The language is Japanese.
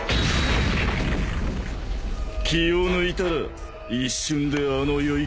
［気を抜いたら一瞬であの世行きだ］